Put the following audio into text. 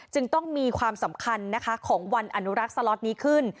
จึงต้องมีความสำคัญนะคะของวันอนุรักษ์สล็อตนี้ขึ้น